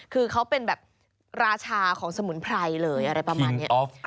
คือเขาเป็นแบบราชาของสมุนไพรเลยอะไรประมาณนี้